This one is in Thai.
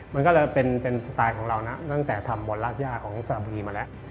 มันก็เลยเป็นสไตล์ของเรานะตั้งแต่ทำบอลรากย่าของสระบุรีมาแล้ว